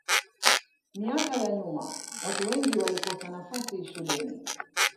miaka ya nyuma watu wengi walikosa nafasi shuleni